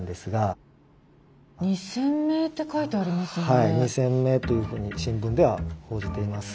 はい２，０００名というふうに新聞では報じています。